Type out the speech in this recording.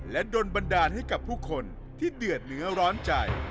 และโดนบันดาลให้กับผู้คนที่เดือดเนื้อร้อนใจ